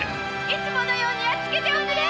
いつものようにやっつけておくれ！